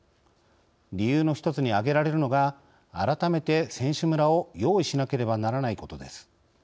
理由の一つに挙げられるのが改めて選手村を用意しなければならないことです。